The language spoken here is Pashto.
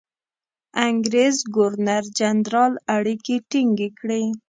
انګرېز ګورنرجنرال اړیکې ټینګ کړي.